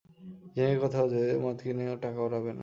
জিনাকে কথা দাও যে, মদ কিনে টাকা ওড়াবে না।